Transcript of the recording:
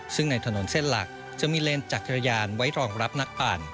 ซึ่งในถนนเส้นหลักจะมีเลนจักรยานไว้รองรับนักปั่น